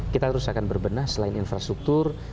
kita harus akan berbenah selain infrastruktur